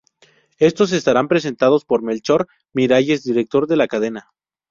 Estos estarán presentados por Melchor Miralles, director de la cadena.